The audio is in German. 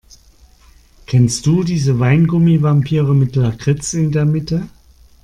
Kennst du diese Weingummi-Vampire mit Lakritz in der Mitte?